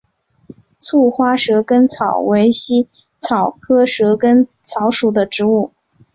簇花蛇根草为茜草科蛇根草属的植物。